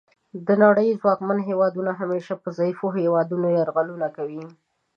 د نړۍ ځواکمن هیوادونه همیشه په ضعیفو هیوادونو یرغلونه کوي